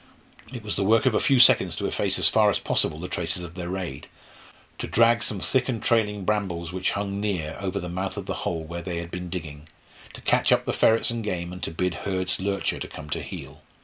It was the work of a few seconds to efface as far as possible the traces of their raid, to drag some thick and trailing brambles which hung near over the mouth of the hole where there had been digging, to catch up the ferrets and game, and to bid Hurd's lurcher to come to heel.